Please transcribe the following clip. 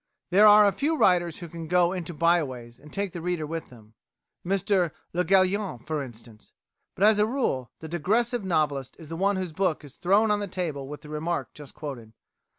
There are a few writers who can go into byways and take the reader with them Mr Le Gallienne, for instance but, as a rule, the digressive novelist is the one whose book is thrown on to the table with the remark just quoted.